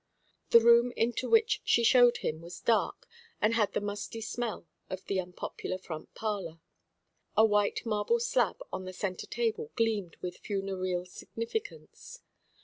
The room into which she showed him was dark, and had the musty smell of the unpopular front parlour. A white marble slab on the centre table gleamed with funereal significance.